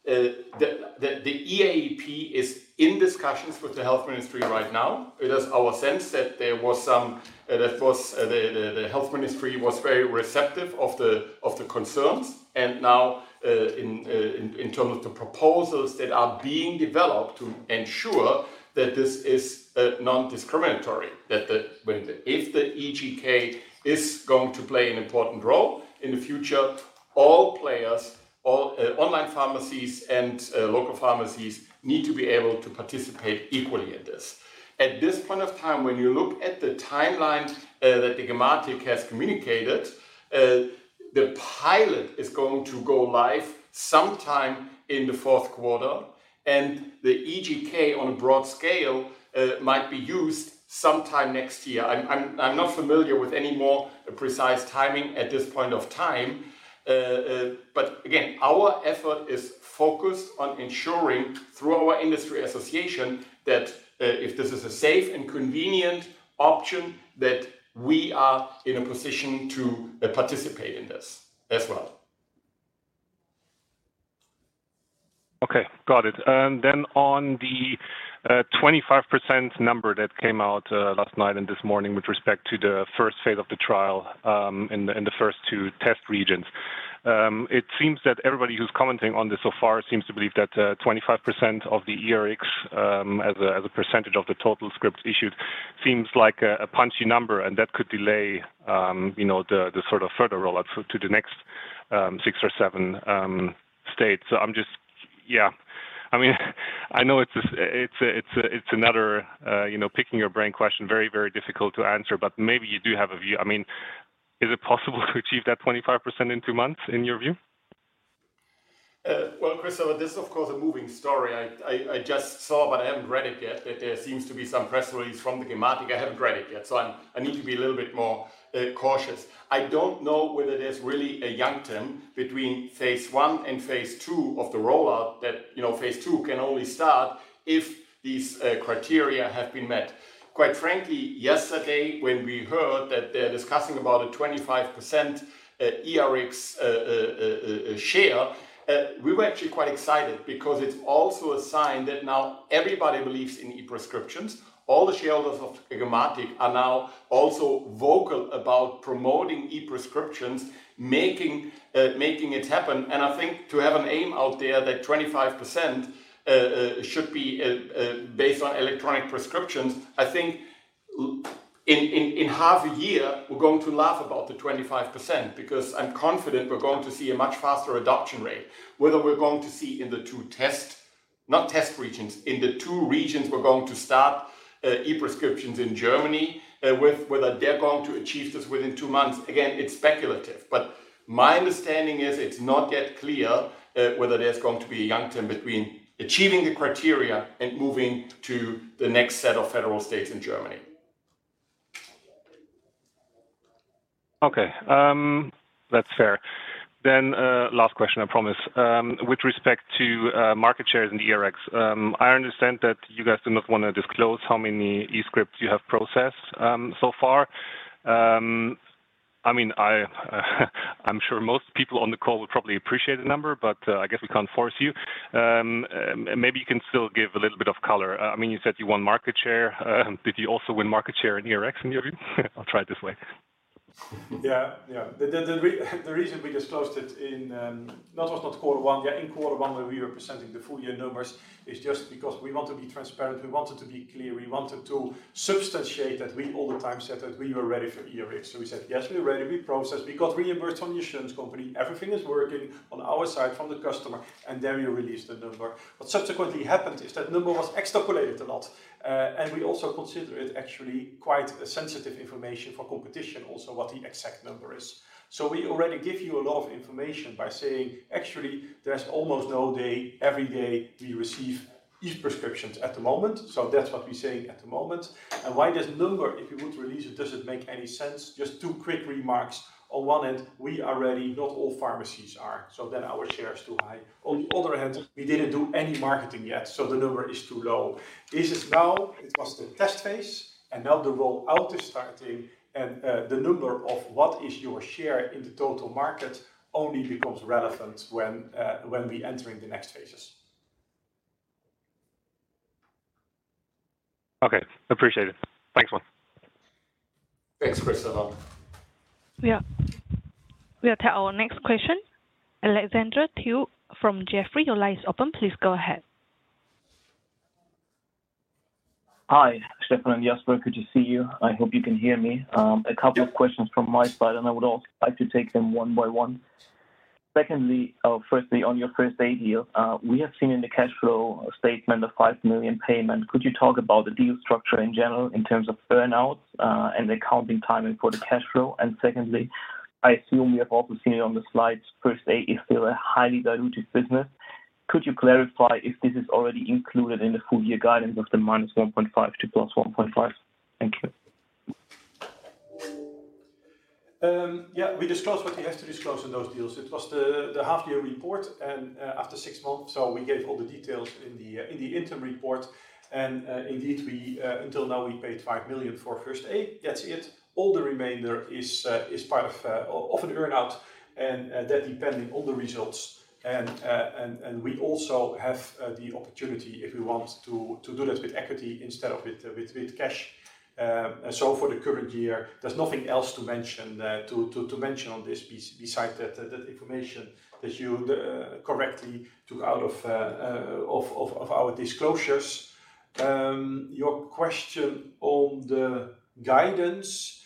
The eAP is in discussions with the health ministry right now. It is our sense that there was some. The health ministry was very receptive of the concerns and now in terms of the proposals that are being developed to ensure that this is non-discriminatory, that if the eGK is going to play an important role in the future, all players, online pharmacies and local pharmacies need to be able to participate equally in this. At this point of time, when you look at the timeline that the gematik has communicated, the pilot is going to go live sometime in the fourth quarter, and the eGK on a broad scale might be used sometime next year. I'm not familiar with any more precise timing at this point of time. Again, our effort is focused on ensuring through our industry association that, if this is a safe and convenient option, that we are in a position to participate in this as well. Okay. Got it. On the 25% number that came out last night and this morning with respect to the first phase of the trial in the first two test regions. It seems that everybody who's commenting on this so far seems to believe that 25% of the eRx as a percentage of the total scripts issued seems like a punchy number, and that could delay, you know, the sort of further rollout to the next six or seven states. I'm just yeah. I mean, I know it's another you know picking your brain question. Very difficult to answer, but maybe you do have a view. I mean, is it possible to achieve that 25% in two months, in your view? Well, Christopher, this is of course a moving story. I just saw, but I haven't read it yet, that there seems to be some press release from the gematik. I haven't read it yet, so I need to be a little bit more cautious. I don't know whether there's really a joint term between phase I and phase II of the rollout that, you know, phase II can only start if these criteria have been met. Quite frankly, yesterday when we heard that they're discussing about a 25% eRx share, we were actually quite excited because it's also a sign that now everybody believes in e-prescriptions. All the shareholders of gematik are now also vocal about promoting e-prescriptions, making it happen. I think to have an aim out there that 25% should be based on electronic prescriptions. I think in half a year we're going to laugh about the 25% because I'm confident we're going to see a much faster adoption rate. Whether we're going to see in the two regions we're going to start e-prescriptions in Germany whether they're going to achieve this within two months, again, it's speculative. My understanding is it's not yet clear whether there's going to be a long time between achieving the criteria and moving to the next set of federal states in Germany. Okay. That's fair. Last question, I promise. With respect to market shares in the eRx, I understand that you guys do not wanna disclose how many eScripts you have processed so far. I mean, I'm sure most people on the call would probably appreciate the number, but I guess we can't force you. Maybe you can still give a little bit of color. I mean, you said you won market share. Did you also win market share in eRx, in your view? I'll try it this way. Yeah. The reason we disclosed it. That was not quarter one. Yeah, in quarter one when we were presenting the full year numbers is just because we want to be transparent. We wanted to be clear. We wanted to substantiate that we all the time said that we were ready for eRx. So we said, "Yes, we're ready. We processed. We got reimbursed from the insurance company. Everything is working on our side from the customer," and then we released the number. What subsequently happened is that number was extrapolated a lot. We also consider it actually quite sensitive information for competition also what the exact number is. We already give you a lot of information by saying actually there's almost no day, every day we receive e-prescriptions at the moment. That's what we're saying at the moment. Why this number, if you would release it, doesn't make any sense, just two quick remarks. On one hand, we are ready, not all pharmacies are, so then our share is too high. On the other hand, we didn't do any marketing yet, so the number is too low. This is now. It was the test phase, and now the roll-out is starting, and the number of what is your share in the total market only becomes relevant when we entering the next phases. Okay. Appreciate it. Thanks one. Thanks, Christopher. We'll take our next question. Alexander Thiel from Jefferies, your line is open. Please go ahead. Hi, Stefan and Jasper. Good to see you. I hope you can hear me. A couple of questions from my side, and I would also like to take them one by one. Firstly, on your First A deal, we have seen in the cash flow statement the 5 million payment. Could you talk about the deal structure in general in terms of earnouts, and the accounting timing for the cash flow? Secondly, I assume we have also seen it on the slides. First A is still a highly diluted business. Could you clarify if this is already included in the full year guidance of the -1.5 million to +1.5 million? Thank you. Yeah, we disclose what we have to disclose in those deals. It was the half-year report after six months. We gave all the details in the interim report. Indeed, until now, we paid 5 million First A. That's it. All the remainder is part of an earn-out and that depending on the results. We also have the opportunity if we want to do that with equity instead of with cash. For the current year, there's nothing else to mention on this besides that information that you correctly took out of our disclosures. Your question on the guidance.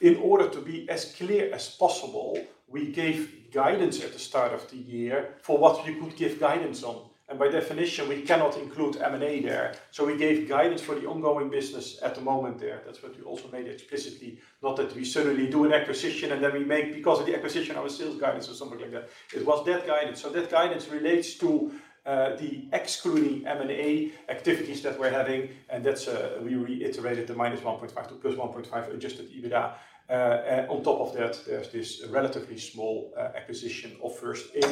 In order to be as clear as possible, we gave guidance at the start of the year for what we could give guidance on, and by definition, we cannot include M&A there. We gave guidance for the ongoing business at the moment there. That's what we also made explicitly. Not that we suddenly do an acquisition and then we make because of the acquisition of a sales guidance or something like that. It was that guidance. That guidance relates to the excluding M&A activities that we're having. That's we reiterated the -1.5 to +1.5 adjusted EBITDA. On top of that, there's this relatively small acquisition First A,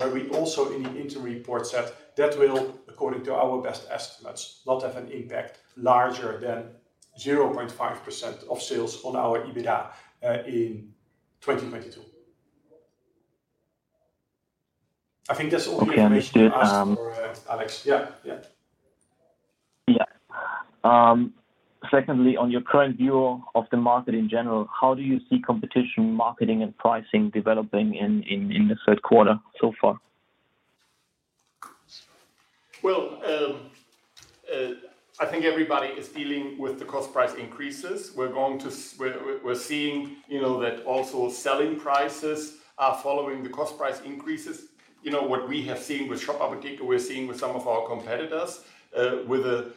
where we also in the interim report said that will according to our best estimates, not have an impact larger than 0.5% of sales on our EBITDA in 2022. I think that's all the information you asked for, Alex. Yeah. Yeah. Yeah. Secondly, on your current view of the market in general, how do you see competition, marketing and pricing developing in the third quarter so far? I think everybody is dealing with the cost price increases. We're seeing, you know, that also selling prices are following the cost price increases. You know, what we have seen with Shop Apotheke, we're seeing with some of our competitors with a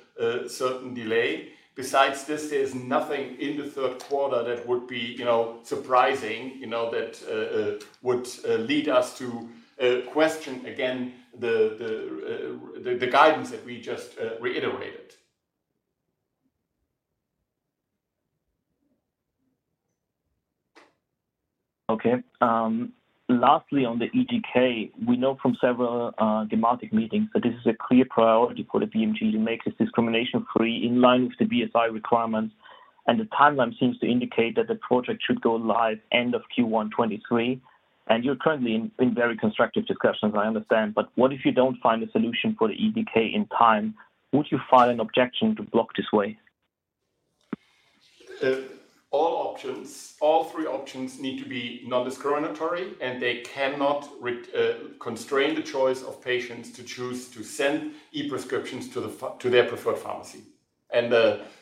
certain delay. Besides this, there's nothing in the third quarter that would be, you know, surprising, you know, that would lead us to question again the guidance that we just reiterated. Okay. Lastly, on the eGK, we know from several gematik meetings that this is a clear priority for the BMG to make this discrimination free in line with the BSI requirements. The timeline seems to indicate that the project should go live end of Q1 2023. You're currently in very constructive discussions, I understand. What if you don't find a solution for the eGK in time? Would you file an objection to block this way? All three options need to be non-discriminatory, and they cannot constrain the choice of patients to choose to send e-prescriptions to their preferred pharmacy.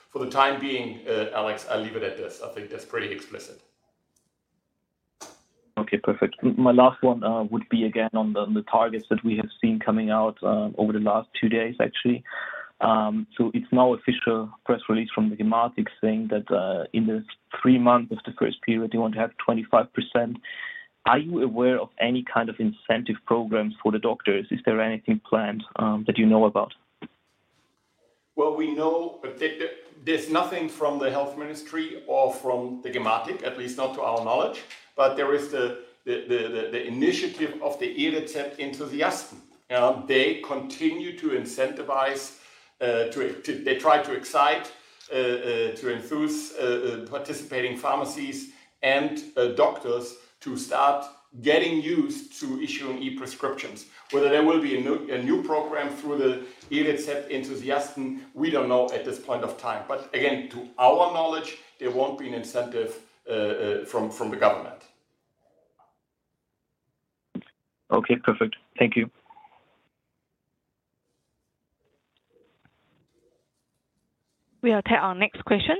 For the time being, Alex, I'll leave it at this. I think that's pretty explicit. Okay, perfect. My last one would be again on the targets that we have seen coming out over the last two days actually. It's now official press release from gematik saying that in the three months of the grace period, they want to have 25%. Are you aware of any kind of incentive programs for the doctors? Is there anything planned that you know about? Well, we know there's nothing from the health ministry or from the gematik, at least not to our knowledge. There is the initiative of the E-Rezept Enthusiasten. They try to excite to enthuse participating pharmacies and doctors to start getting used to issuing e-prescriptions. Whether there will be a new program through the E-Rezept Enthusiasten, we don't know at this point of time, but again, to our knowledge, there won't be an incentive from the government. Okay, perfect. Thank you. We'll take our next question.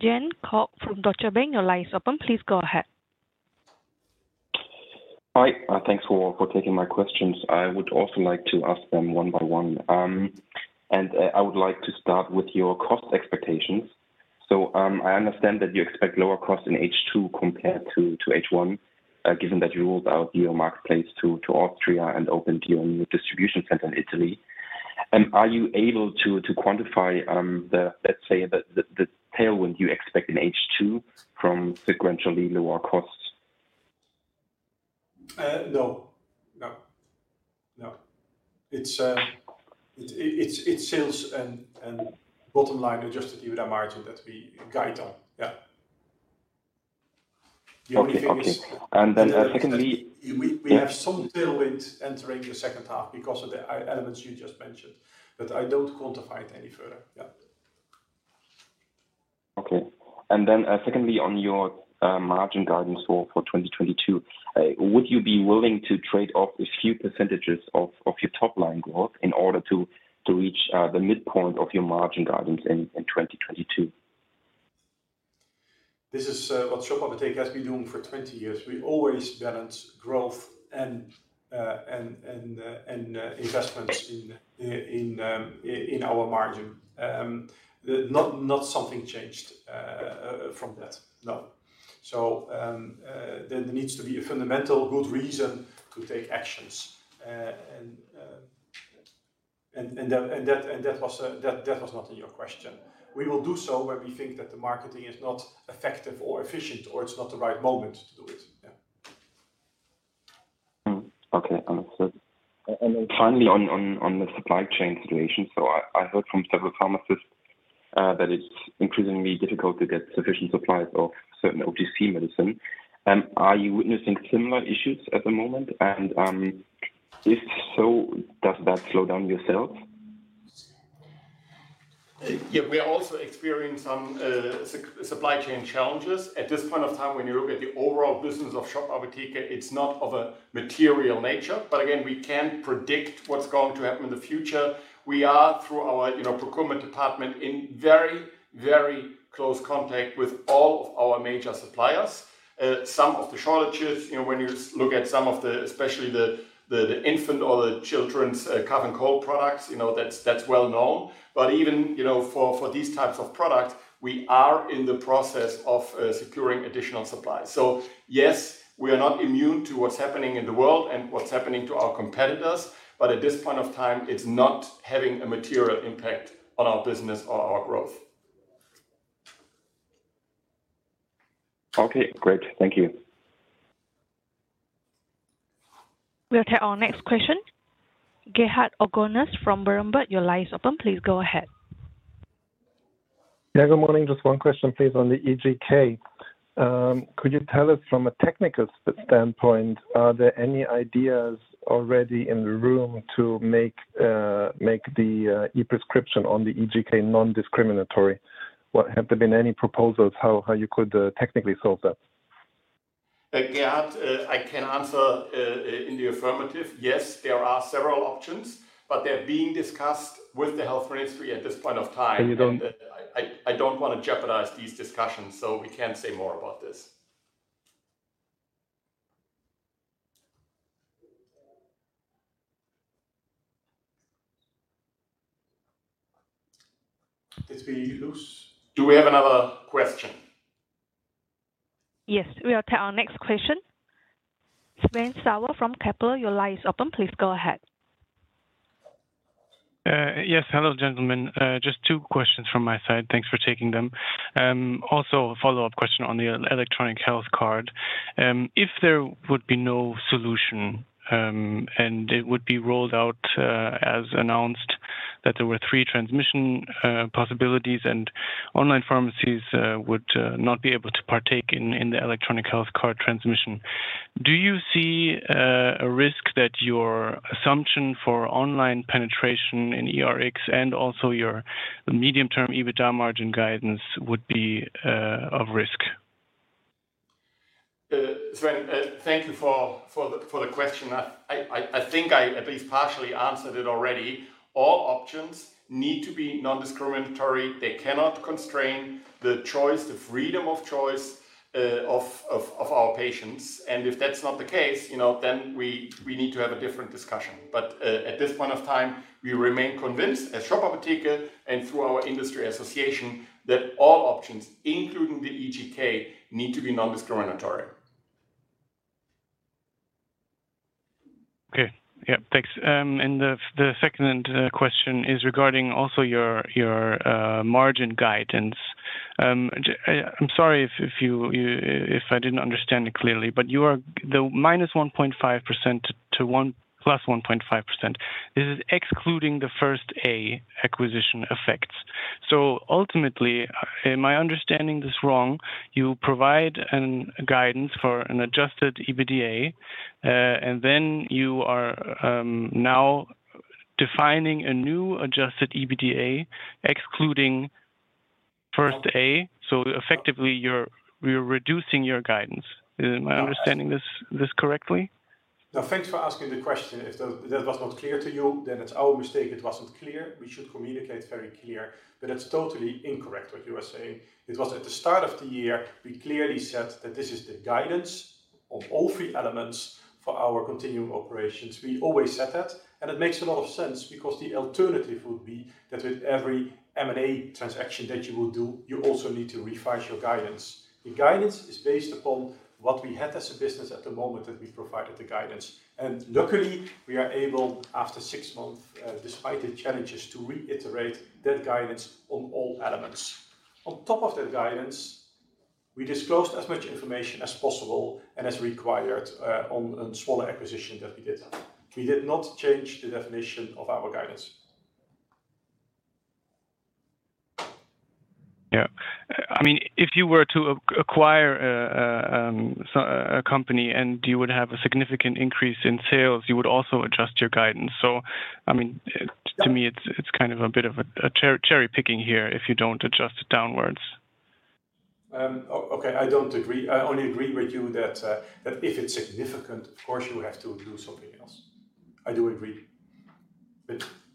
Jan Koch from Deutsche Bank. Your line is open. Please go ahead. Hi. Thanks for taking my questions. I would also like to ask them one by one. I would like to start with your cost expectations. I understand that you expect lower costs in H2 compared to H1, given that you rolled out your marketplace to Austria and opened your new distribution center in Italy. Are you able to quantify? Let's say the tailwind you expect in H2 from sequentially lower costs? No. It's sales and bottom line adjusted EBITDA margin that we guide on. Yeah. Okay. Secondly. We have some tailwind entering the second half because of the i-elements you just mentioned, but I don't quantify it any further. Yeah. Okay. Secondly, on your margin guidance for 2022, would you be willing to trade off a few percentages of your top line growth in order to reach the midpoint of your margin guidance in 2022? This is what Shop Apotheke has been doing for 20 years. We always balance growth and investments in our margin. Nothing changed from that. No. There needs to be a fundamental good reason to take actions. That was not in your question. We will do so when we think that the marketing is not effective or efficient, or it's not the right moment to do it. Yeah. Mm-hmm. Okay. Understood. Then finally, on the supply chain situation. I heard from several pharmacists that it's increasingly difficult to get sufficient supplies of certain OTC medicine. Are you witnessing similar issues at the moment? If so, does that slow down your sales? Yeah. We are also experiencing some supply chain challenges. At this point of time, when you look at the overall business of Shop Apotheke, it's not of a material nature. Again, we can't predict what's going to happen in the future. We are, through our, you know, procurement department, in very, very close contact with all of our major suppliers. Some of the shortages, you know, when you look at some of the, especially the infant or the children's cough and cold products, you know, that's well known. Even, you know, for these types of products, we are in the process of securing additional supplies. Yes, we are not immune to what's happening in the world and what's happening to our competitors, but at this point of time, it's not having a material impact on our business or our growth. Okay, great. Thank you. We'll take our next question. Gerhard Orgonas from Berenberg. Your line is open. Please go ahead. Yeah. Good morning. Just one question, please, on the eGK. Could you tell us from a technical standpoint, are there any ideas already in the room to make the e-prescription on the eGK non-discriminatory? Have there been any proposals how you could technically solve that? Gerhard, I can answer in the affirmative. Yes, there are several options, but they're being discussed with the health ministry at this point of time. And you don't- I don't wanna jeopardize these discussions, so we can't say more about this. Do we have another question? Yes. We'll take our next question. Sven Sauer from Kepler. Your line is open. Please go ahead. Yes. Hello, gentlemen. Just two questions from my side. Thanks for taking them. Also a follow-up question on the electronic health card. If there would be no solution, and it would be rolled out as announced that there were three transmission possibilities and online pharmacies would not be able to partake in the electronic health card transmission. Do you see a risk that your assumption for online penetration in eRX and also your medium-term EBITDA margin guidance would be at risk? Sven, thank you for the question. I think I at least partially answered it already. All options need to be non-discriminatory. They cannot constrain the choice, the freedom of choice, of our patients. If that's not the case, you know, then we need to have a different discussion. At this point of time, we remain convinced as Shop Apotheke and through our industry association that all options, including the eGK, need to be non-discriminatory. Okay. Yeah. Thanks. The second question is regarding also your margin guidance. I'm sorry if I didn't understand it clearly, but the -1.5% to +1.5%, this is excluding First A acquisition effects. So ultimately, am I understanding this wrong? You provide an guidance for an adjusted EBITDA, and then you are now defining a new adjusted EBITDA First A. So effectively, you're reducing your guidance. Am I understanding this correctly? No, thanks for asking the question. If that was not clear to you, then it's our mistake. It wasn't clear. We should communicate very clear. But it's totally incorrect what you are saying. It was at the start of the year, we clearly said that this is the guidance of all three elements for our continuing operations. We always said that, and it makes a lot of sense because the alternative would be that with every M&A transaction that you will do, you also need to revise your guidance. The guidance is based upon what we had as a business at the moment that we provided the guidance. Luckily, we are able, after six months, despite the challenges, to reiterate that guidance on all elements. On top of that guidance, we disclosed as much information as possible and as required, on [Swalla] acquisition that we did. We did not change the definition of our guidance. Yeah. I mean, if you were to acquire a company and you would have a significant increase in sales, you would also adjust your guidance. I mean, to me, it's kind of a bit of a cherry picking here if you don't adjust it downwards. Okay, I don't agree. I only agree with you that if it's significant, of course you have to do something else. I do agree.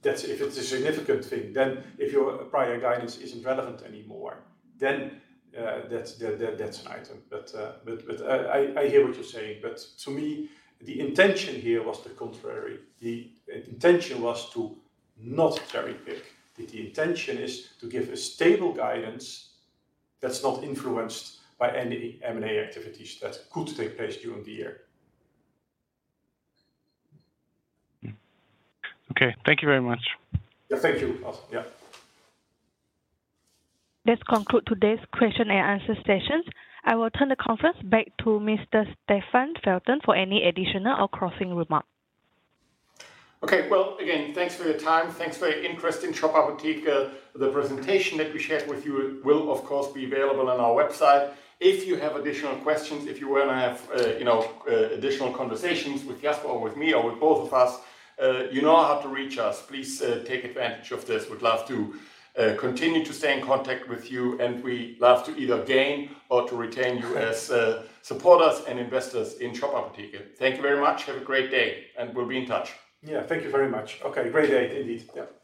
If it's a significant thing, then if your prior guidance isn't relevant anymore, then that's an item. I hear what you're saying, but to me, the intention here was the contrary. The intention was to not cherry-pick. The intention is to give a stable guidance that's not influenced by any M&A activities that could take place during the year. Okay. Thank you very much. Yeah. Thank you. Yeah. Let's conclude today's question and answer session. I will turn the conference back to Mr. Stefan Feltens for any additional or closing remark. Okay. Well, again, thanks for your time. Thanks for your interest in Shop Apotheke. The presentation that we shared with you will of course be available on our website. If you have additional questions, if you wanna have, you know, additional conversations with Jasper or with me or with both of us, you know how to reach us. Please, take advantage of this. We'd love to, continue to stay in contact with you, and we love to either gain or to retain you as, supporters and investors in Shop Apotheke. Thank you very much. Have a great day, and we'll be in touch. Yeah. Thank you very much. Okay. Great day indeed. Yeah.